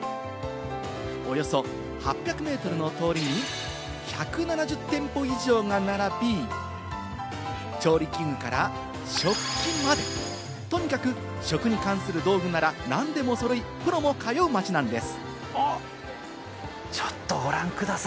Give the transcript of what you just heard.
およそ８００ｍの通りに１７０店舗以上が並び、調理器具から食器まで、とにかく食に関する道具なら何でもそろい、プロも通う街なんです。